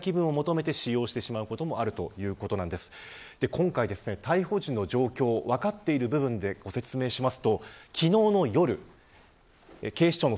今回、逮捕時の状況分かっている部分でご説明します。